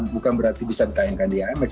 bukan berarti bisa ditayangkan di imx